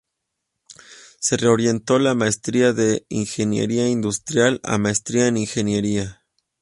Se reorientó la maestría de ingeniería industrial a maestría en ingeniería.